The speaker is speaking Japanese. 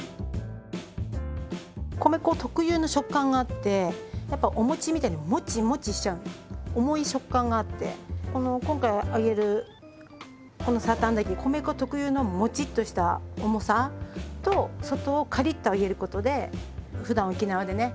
米粉特有の食感があってやっぱお餅みたいにモチモチしちゃう重い食感があってこの今回揚げるこのサーターアンダギー米粉特有のモチッとした重さと外をカリッと揚げることでふだん沖縄でね